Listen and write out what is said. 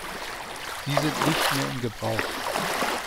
Sie sind nicht mehr in Gebrauch.